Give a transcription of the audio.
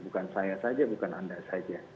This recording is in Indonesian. bukan saya saja bukan anda saja